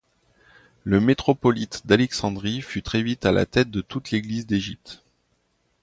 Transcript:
Le métropolite d'Alexandrie fut très vite à la tête de toute l'Église d'Égypte.